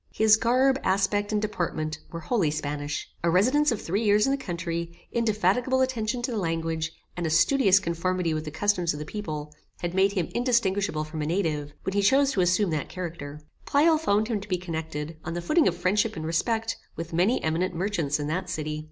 His garb, aspect, and deportment, were wholly Spanish. A residence of three years in the country, indefatigable attention to the language, and a studious conformity with the customs of the people, had made him indistinguishable from a native, when he chose to assume that character. Pleyel found him to be connected, on the footing of friendship and respect, with many eminent merchants in that city.